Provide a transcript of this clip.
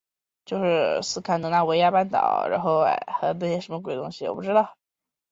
弘前医疗福祉大学短期大学部是一所位于日本青森县弘前市的私立短期大学。